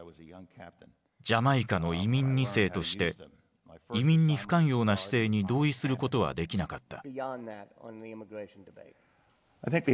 ジャマイカの移民２世として移民に不寛容な姿勢に同意することはできなかった。